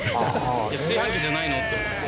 炊飯器じゃないの？と思って。